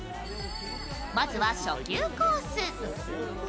まずは初級コース。